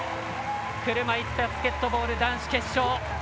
車いすバスケットボール男子決勝。